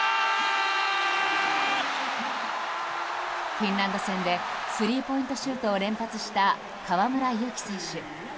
フィンランド戦でスリーポイントシュートを連発した河村勇輝選手。